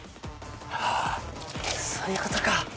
あぁそういうことか。